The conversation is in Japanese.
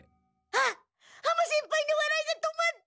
あっ浜先輩のわらいが止まった！